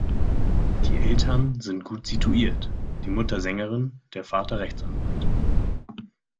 Die Eltern sind gut situiert, die Mutter Sängerin, der Vater Rechtsanwalt.